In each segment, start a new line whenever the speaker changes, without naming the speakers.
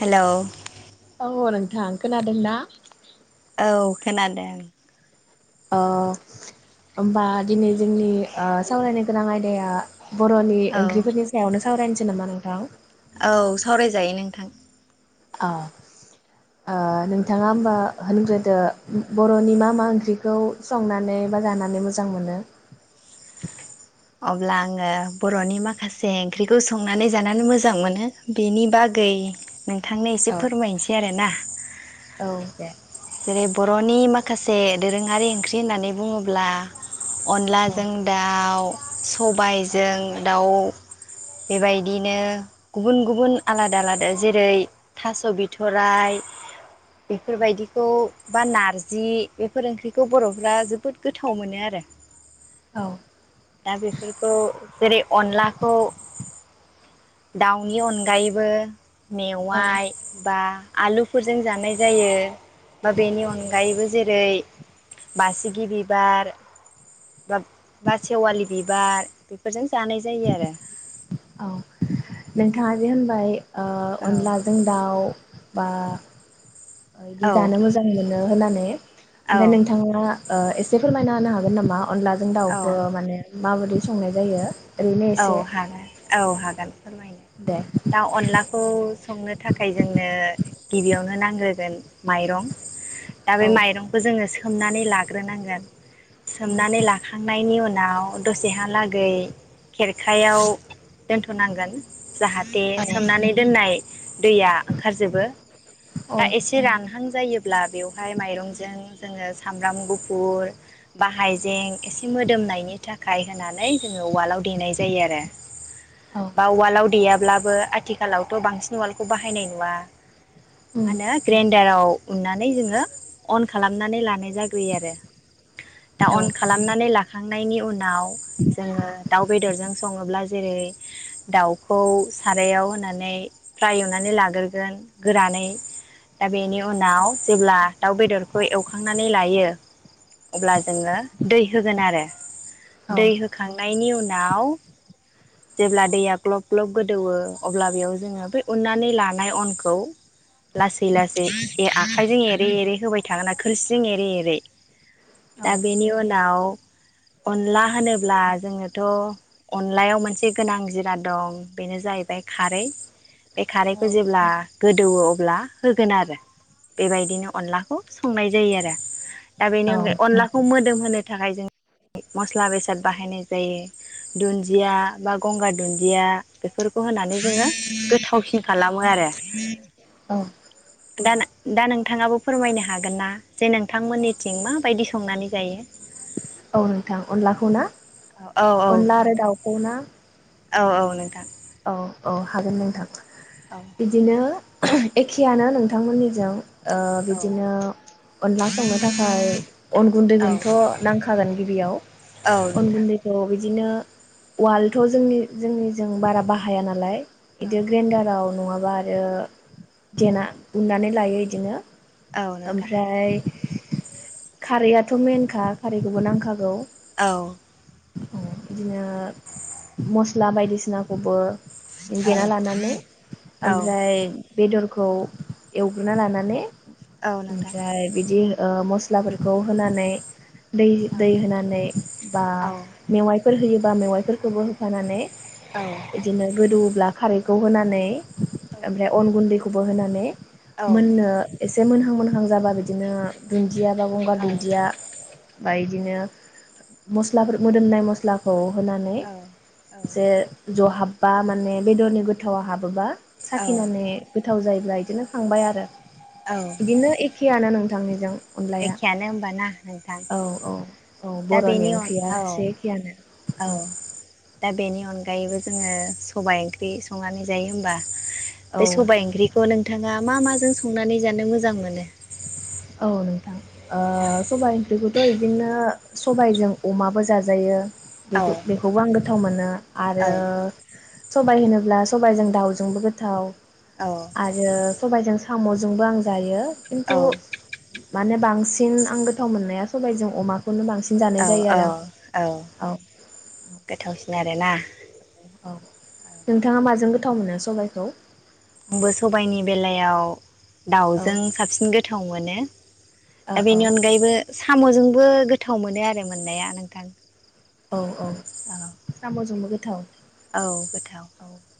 हेल'
थां खोनादों ना?
औ खोनादों।
अ होमबा दिनै जोंनि ओ सावरायनो गोनां आयदाया बर'नि
औ
ओंख्रिफोरनि सायावनो सावरायनो नामा नोंथां
औ सावरायजायो नोंथां।
औ, ओ नोंथांङा होमबा होनग्रोदो बरनि मा मा ओंख्रिखौ संनानै बा जानानै मोजां मोनो।
अब्ला आंङो बर'नि माखासे ओंख्रिखौ संनानै जानानै मोजां मोनो बेनि बागै थांनो एसे
औ
फोरमायनोसै आरोना
औ दे
जेरै बर'नि माखासे दोरोंङारि ओंख्रि होननानै बुङोब्ला
औ
अनलाजों दाउ। सबायजों दाउ। बेबायदिनो गुबुन गुबुन आलादा आलादा जेरै थास' बिथ'राइ बेफोरबायदिखौ बा नारजि बेफोर ओंख्रिखौ बरफ्रा जोबोद गोथाव मोनो आरो।
औ
दा बेफोरखौ जेरै अनलाखौ दाउनि अनगायैबो
औ
मेवाइ बा आलुफोरजों जानाय जायो बा बेनि अनगायैबो जेरै बासिगि बिबार [unintelligible] बिबार बेफोरजों जानाय जायो आरो।
औ नोंथाङा जे होनबाय ओ अनलाजों दाउ बा बिदि
औ
जानो मोजां मोनो नो होनानै
औ
ओमफ्राय नोंथांमोना ओ एसे फोरमायना होनो हागोन नामा? अनलाजों
औ
दाउखौ माने माबोरै संनाय जायो। ओरैनो
औ
एसे
हागोन। औ हागोन, फोरमायनो
दे
दा अनलाखौ संनो थाखाय जोंनो गिबियावनो नांग्रोगोन माइरं दा बे
औ
माइरंखौ जोङो सोमनानै लाग्रोनांगोन, सोमनानै लाखांनायनि उनाव आव द' सेहालागै खेरखायाव दोनथ'नांगोन जाहाथे
औ
सोमनानै दोननाय दैया ओंखारजोबो
औ
दा एसे रानहां जायोब्ला बेवहाय माइरंजों जोङो सामब्राम गुफुर फुर बा हायजें एसे मोदोमनायनि थाखाय होनानै जोङो उवालाव देनाय जायो आरो
औ
बा उवालाव दे याब्लाबो आथिखालावथ' बांसिन उवालखौ बाहायनाय नुवा मा होनो ग्रेन्डाराव उननानै जोङो अन खालामनानै लानाय जाग्रोयो आरो दा अन खालामनानै लाख खांनायनि उनाव जोङो दाउ बेदरजों सङोब्ला जेरै दाउखौ सारायाव होनानै फ्राय एवनानै लाग्रोगोन गोरानै दा बेनि उनाव जेब्ला दाउ बेदरखौ एवखांनानै लायो अब्ला जोङो दै होगोन आरो दै
औ
होखांनायनि उन आव जेब्ला दैया ग्लब ग्लब गोदौवो अब्ला बेयाव जोङो बै उननानै लानाय अनखौ लासै लासै ए आखाइजों एरै एरै होबाय थागोन ना खोरसिजों एरै एरै दा बेनि उनाव अनला होनोब्ला जोङो थ' अनलायाव मोनसे गोनां जिराद दं बेनो जाहैबाय खारै बे खारैखौ जेब्ला गोदौवो अब्ला होगोन आरो बेबायदिनो अनलाखौ संनाय जायो आरो दा
औ
बेनि अनगायै अनलाखौ मोदोम होनो थाखाय जों मस्ला बेसाद बाहायनाय होयो दुनदिया बा गंगार दुनदिया बेफोरखौ होनानै जोङो गोथावसिन खालामो आरो दाना दा नोंथाङाबो खौ फोरमायनो हागोन ना जे नोंथांमोननिथिं माबायदि संनानै जायो।
औ नोंथां अनलाखौ ना
औ औ
अनला आरो
नोंथां
दाउखौ ना
औ औ नोंथां
औ औ हागोन नोंथां
औ
बिदिनो। एखेयानो नोंथांमोननिजों ओ बिदिनो
औ
अनला संनो थाखाय अन
औ
गुन्दैखौनोथ' नांखागोन गिबियाव
औ
अन
नोंथां
गुन्दैखौ बि दिनो उवालथ' जोंनि जोंनिजों बारा बाहाया नालाय इदि
औ
ग्रेन्डाराव नङाबा आरो देना उननानै लायो इदिनो
औ नोंथां
ओमफ्राय खारैआथ' मेनखा खारैखौबो नांखागौ
औ
बिदिनो मस्ला बायदिसिना खौबो
औ
देना लानानै
औ
ओमफ्राय बेदर खौ एवग्रोना लानानै।
औ नोंथां
ओमफ्राय बिदि ओ म मस्लाफोरखौ होनानै दै
औ
दै होनानै बा
औ
मेवाइ फोर होयोबा मेवाइफोरखौबो होफानानै
औ
इदिनो गोदौब्ला खारैखौ होनानै
औ
ओमफ्राय अन गुन्दैखौ खबहोनानै मोननो ए से मोनहां मोनहां जाबा बिदिनो दुन दिया बा गंगार दुन्दिया बाइदिनो मस्लाफोर मोदोमनाय मस्लाखौ होनानै
औ
जे बेव हाबबा माने बेदरनि गोथावा हाबोब्ला
औ
साखिनानै गोथाव जायो ब्ला इदिनो खांबाय आरो
औ
बिदिनो एखेयानो नों थां निजों
एखेयानो होनबाना नोंथां?
औ औ
दा
बर'नि
बेनि औ
ओंख्रिया एसे एखेयानो
औ दा बेनि अनगायैबो जोङो सबाय ओंख्रि संनानै जायो होमबा बे
औ
सबबाय ओंख्रिखौ नोंथाङा मा मा जों संनानै जानो मोजां मोनो?
औ नोंथां ओ सबायाइ ओंख्रिखौथ' इदिनो सबायजों अमाबो जाजायो बे
औ
बेखौबो आंगो थाव मोनो आरो
औ
सबाय होनोब्ला सबायजों दाउजोंबो गोथाव आरो सबाइजों सामजोंबो आं जायो। खिन्थु
औ
माने बांसिन आं गोथाव मोननाया सबाइजों अमाखौनो बांसिन जानाय
औ
जायो
औ
आरो
औ
आं औ।
गोथावसिन आरोना?
औ नोंथाङा माजों गोथाव मोनो सबाइखौ?
आंबो सबायाइनि बेलायाव
औ
दाउजों साबसिन गोथाव मोनो। [inaudible]
औ
दा
औ
बेनि अनगायैबो सामजोंबो गोथाव मोनो आरो मोननाया नोंथां।
औ। औ सामजोंबो गो थाव।
औ गोथाव।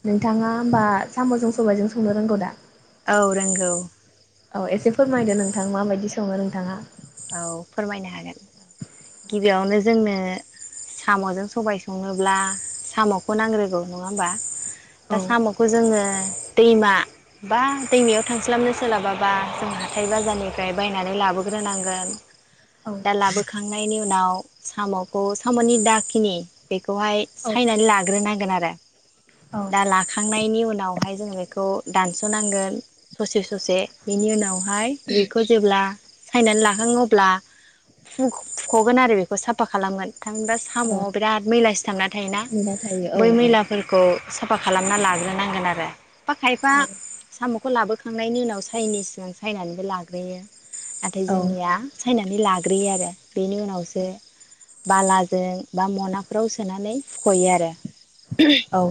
नोंथाङा होमबा सामजों सबाइजों संनो रोंगौ दा?
औ रोंगौ।
औ एसे फोरमायदो नोंथां माबायदि सङो नोंथाङा।
औ फोरमायनो हागोन गिबियावनो जोंनो सामजों सबाइ संनोब्ला सामखौ नांग्रोगौ नङा होमबा।
औ
दा सामखौ जोङो दैमा बा दैमायाव थांस्लाबनो सोलाबाबा जों हाथाइ बाजारनिफ्राय बायनानै लाबोग्रोनांगोन। [unintelligible] दा लाबोखां खांनायनि उनाव सामखौ सामनि दाखिनि बेखौहाय
औ
सायनानै लाग्रोनांगोन आरो दा लाखांनायनि उनावहाय जोंङो बेखौ दानसनांगोन ससे ससे बेनि उनाव ओमफाय बेखौ जेब्ला सायना ला खाङो अब्ला फु-फुखगोन आरो बेखौ साफा खालामगोन। थामहिनबा
औ
सामआव बिराद मैला सिथाबनानै थायोना
मोनबाय थायो औ
बै मैलाफोरखौ साफा खालामना लाग्रोनांगोन आरो। खायफा खायफा
औ
साम खौ लाबोखांनायनि उनाव साययैनि सिगां सायनानैबो लाग्रोयो।
औ
निया सायना नै लाग्रोयो आरो। बेनि उनावसो बालाजों बा मनाफ्राव सोनानै फुखयो आरो।
औ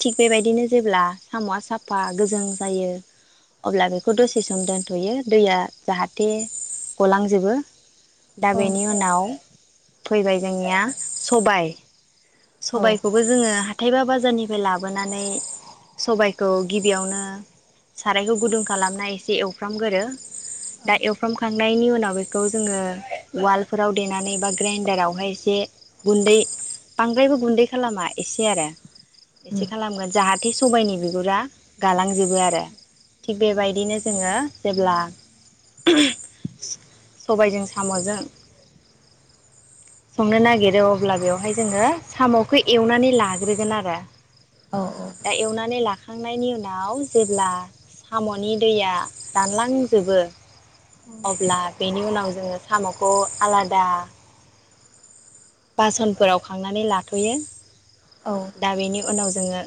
थिक बेबायदिनो जेब्ला सामया साफा गोजों जायो अब्ला बेखौ दसे सम दोनथयो दैया जाहाथे गलांजोबो दा बेनि
औ
उनाव फैबाय जोंनिया सबाई
औ
सबाइखौबो जोङो हाथाइ बा बाजारनिफ्राय लाबोनानै सबाइखौ गिबियावनो सारायखौ गुदुं खालामना एसे एवफ्रामगोरो दा एवफ्राम खां खानायनि उनाव बेखौ जोङो उवालफोराव देनानै ग्रेन्दारावहाय एसे गुन्दै बांद्रायबो गुन्दै खालामा एसे आरो एसे
उम
खालामगोन जाहाथे सबाइनि गुरा गालांजोबो आरो थिग
औ
बेबायदिनो जोङो जेब्ला [unintelligible] सबाइजों साम'जों संनो नागिरो अब्ला बेवहाय जोङो सामखौ एवनानै लाग्रोगोन आरो। दा एवनानै लाख खांनायनि उनाव जेब्ला साम'नि दैया रानलांजोबो। अब्ला बेनि उनाव जोङो साम'खौ आलादा बास'नफोराव खांनानै लाथ'यो दा बेनि उनाव जोङो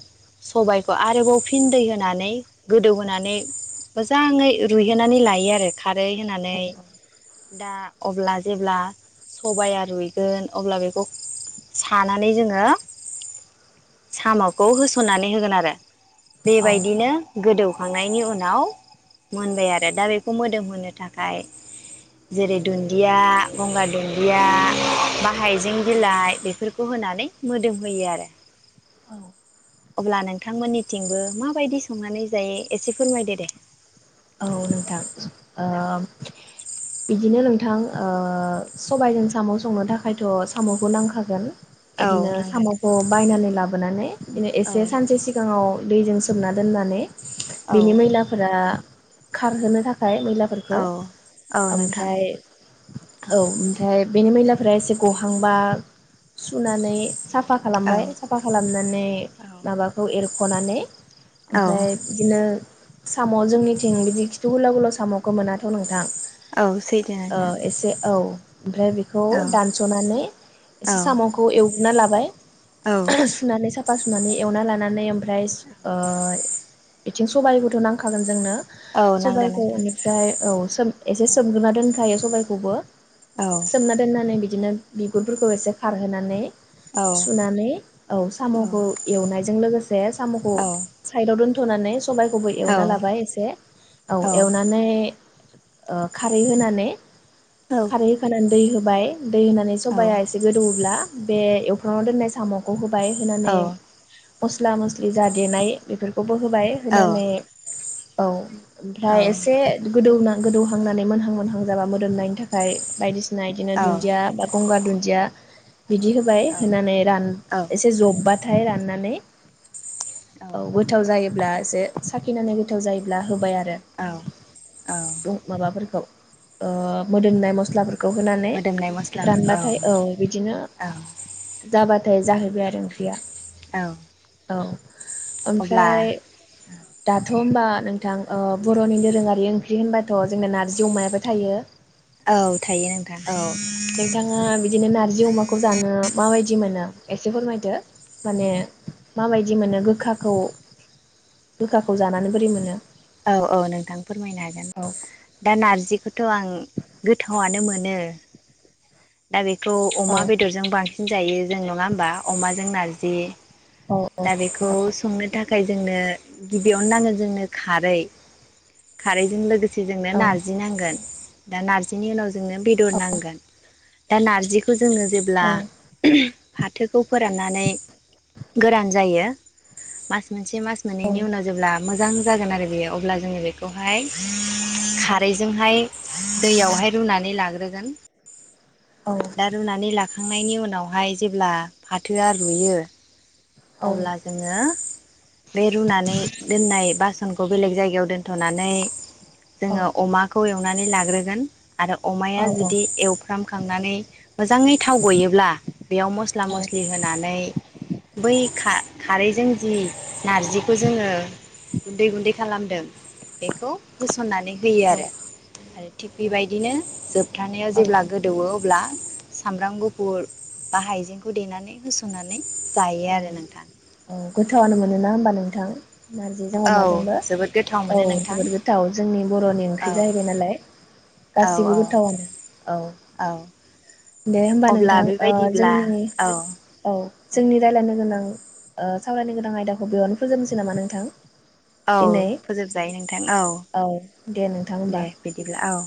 सबाइखौ आरोबाव फिन दै होनानै गोदौहोनानै मोजाङै रुइहोनानै लायो आरो। खारै होननानै दा अब्ला जेब्ला सबाया रुइगोन। अब्ला बेखौ सानानै जोङो साम'खौ होसननानै होगोन आरो।
औ
बेबायदिनो गोदौ मोननायनि उनाव मोनबाय आरो दा बेखौ मोदोम होनो थाखाय जेरै दुन्दिया गंगार दुन्दिया बा हाइजें बिलाइ बेफोरखौ होनानै मोदोम होयो आरो।
औ।
अब्ला नोंथांमोननिथिंबो माबायदि संनानै जायो एसे फोरमायदो दे।
औ नोंथां
औ
ओ बिदिनो नोंथ' थां ओ सबायजों साम' संनो थाखायथ' सामखौ नांखागोन।
औ
बिदिनो
नांगोन
साम'खौ बायनानै लाब बोनानै बिनो
औ
एसे सानसे सिगाङाव दैजों सोमना दोननानै
औ
बिनि मैलाफोरा खारहोनो थाख फाय मैलाफोरखौ
औ औ नोंथां
ओमफ्राय औ ओमफ्राय बेनि मैलाफोरा एसे गहांबा सुनानै साफा
औ
खालामबाय साफा खालामनानै माबाखौ एरख खनानै
औ
ओमफ्राय बिदिनो सामवा जोंनिथि जों बिदि खिथु गोलााव गोलाव सामखौ मोनाथ' नोंथां।
औ सैथो
औ
नोंथां
एसे औ ओमफ्राय बेखौ
औ
दानस'नानै
औ
एसे सामखौ एवग्रोना लाबाय
औ
[unintelligible] सुनानै साफा सु सुनानै एवना लानानै ओमफ्रा राइस ओ बेथिं सबाइबोथ नांखागोन जोंनो
औ नांगोन
सबाइखौ
नोंथां
बेनिफ्राय औ सोम एसे
औ
सोमग्रोना दोन खायो सबायखौबो
औ
सोमना दोन्नानै बि बिदिनो बिगुरफोरखौ एसे खारहोनानै सुनानै औ सामखौ एवनायजों लोगोसे सामखौ
औ
साइदव दोन थनानै सबायाइखौबो
औ
एवना लाबाय एसे औ एवनानै ओ खारै होनानै
औ
खारै होखांनानै दै होबाय दै होनानै
औ
सबाया एसे गोदौवोब्ला बे एवफ्रामना दोननाय सामखौ हो बाय होनानै मस्ला-मस्लि जा देनाय बेफोरखौ बो होबाय
औ
होनानै औ ओमफ्राय एसे गोदौना गोदौहांनानै मोनहां मोनहां जाबा मोदोमनायनि थाखाय बायदि सिना बिदिनो दुन्दिया बा गंगार दुन्दिया बिदि होबाय होनानै रान एसे जब्बा थाय राननानै औ गोथाव जायो। अब्ला एसे साखिनानै गोथाव जायोब्ला होबाय आ रो
औ
रंग माबाफोरखौ। ओ मोदोमनाय मस्लाफोर खौ होनानै
मोदोमनाय मस्ला
रानबाथाय औ बिदिनो
औ
जाबा थाय जाहैबाय आरो ओंख्रिया।
औ
औ
अब्ला
ओमफ्राय दा होमबा नों थां बर'नि दोरोङारि ओंख्रि होनबाथ‌' जोंना नारजि अमायाबो थायो।
औ थायो नोंथां
औ नोंथाङा बिदिनो नारजि अमाखौ जानो माबायदि मोनो एसे फोरमायदो माने माबायदि मोनो गोखाखौ गोखाखौ जानानै बोरै मोनो?
औ औ नोंथां फोरमायनो हागोन
औ
दा नारजिखौ थ आं गोथावानो मोनो। दा बे खौ
औ
अमा बेदरजों बांसिन जायो। जों नङा होमबा अमाजों नारजि
औ
दा बेखौ संनो थाखाय जोंनो गिबियावनो नाङो जोंनो खारै खारैजों लोगो सेजोंनो
औ
नारजि नांगोन। दा नारजिनि उनाव जोंनो बेदर नांगोन। दा नारजि खौ जोङो जेब्ला
औ
फाथोखौ फोराननानै गोरान जायो मास मोन से मास
औ
मोननैनि उनाव जेब्ला मोजां जागोन आरो बेयो अब्ला जोङो बेखौहाय खारैजोंहाय दैयावहाय रुनानै लाग्रोगोन।
औ
दा रुनानै लाख खांनायनि उनावहाय जेब्ला फाथोआ रुयो अब्ला जोंङो बे रुनानै दोननाय बास सनखौ बेलेग जायगायाव दोन्थनानै जोंङो अमाखौ एवनानै लाग्रो गोन आरो अमाया जुदि एवफ्रामखांनानै मोजांङै थाव गयोब्ला बेयाव मस्ला मस्लि होनानै खा खारैजों जि नारजिखौ जोंङो गुन्दै गुन्दै खालामदों बेखौ होसननानै होयो आरो आरो थिग बेबायदिनो जोबथानायाव
औ
जेब्ला गोदौवो अब्ला सामब्राम गुफुर बा हाइजेंखौ देनानै होसननानै जायो
औ
आरो नोंथां
औ गोथावानो मोन नोना होमबा नोंथां। नारजिजों
औ
अमाजोंबो
जोबोद गोथाव
औ
मोनो नोंथां
जोबोद गोथाव जोंनि बर'नि
औ
ओंख्रि जाहैबाय नालाय
औ
गासिबो
औ
गोथावआनो औ
औ
दे होमबा
अब्ला
नोंथां ओ‌ जों
बेबायदिब्ला
दिनै
औ
औ
दे
जोंनि रायलायनो
औ
गोनां ओ सावरायनो गोनां आयदाखौ बेयावनो फोजोबनोसै नामा नोंथां।
औ
दिनै
फोजोबजायो नोंथां औ
दे नोंथां होमबा
दे बिदिब्ला औ।